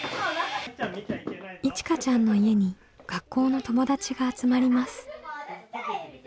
いちかちゃんの家に学校の友達が集まります。